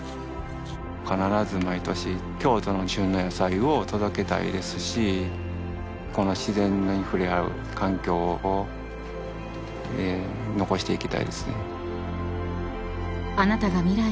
必ず毎年京都の旬の野菜を届けたいですしこの自然に触れ合う環境を残していきたいですね。